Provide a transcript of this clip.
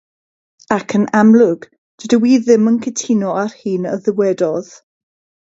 Ac yn amlwg, dydw i ddim yn cytuno â'r hyn a ddywedodd.